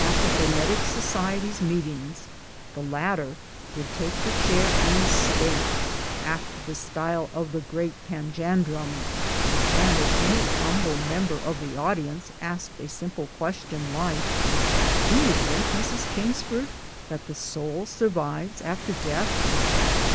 At the Hermetic Society's meetings the latter would take the chair in state after the style of the Great Panjandrum and if any humble member of the audience asked a simple question like " Do you think, Mrs. Kingsford, that the soul survives after death?